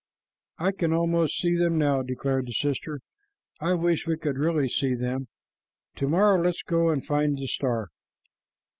"I can almost see them now," declared the sister. "I wish we could really see them. To morrow let us go and find the star."